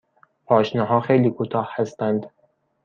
پاشنه ها خیلی کوتاه هستند.